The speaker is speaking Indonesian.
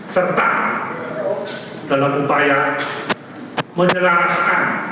serta dalam upaya menjelaskan